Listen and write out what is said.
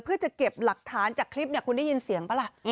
เพื่อจะเก็บหลักฐานจากคลิปเนี่ยคุณได้ยินเสียงป่ะล่ะ